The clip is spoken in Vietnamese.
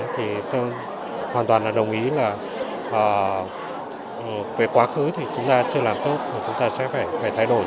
thì tôi hoàn toàn đồng ý là về quá khứ thì chúng ta chưa làm tốt chúng ta sẽ phải thay đổi